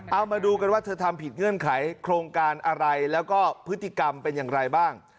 เอามาดูกันว่าเธอทำผิดเงื่อนไขโครงการอะไรแล้วก็พฤติกรรมเป็นอย่างไรบ้าง